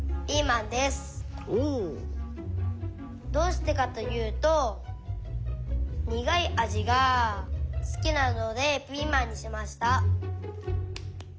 おお。どうしてかというとにがいあじがすきなのでピーマンにしました。